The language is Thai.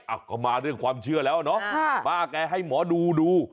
อ่ะก็มาเรื่องความเชื่อแล้วเนาะป้าแกให้หมอดูดู